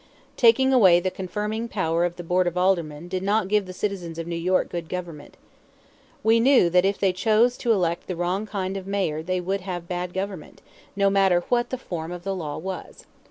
Taking away the confirming power of the Board of Aldermen did not give the citizens of New York good government. We knew that if they chose to elect the wrong kind of Mayor they would have bad government, no matter what the form of the law was.